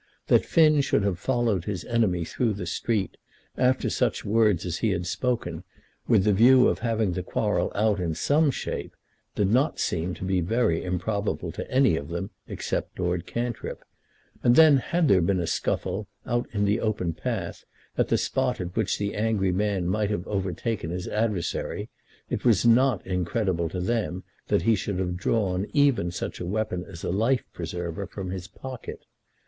That Finn should have followed his enemy through the street, after such words as he had spoken, with the view of having the quarrel out in some shape, did not seem to be very improbable to any of them except Lord Cantrip; and then had there been a scuffle, out in the open path, at the spot at which the angry man might have overtaken his adversary, it was not incredible to them that he should have drawn even such a weapon as a life preserver from his pocket.